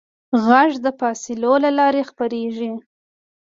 غږ د فاصلو له لارې خپرېږي.